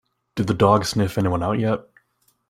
Did the dog sniff anyone out yet?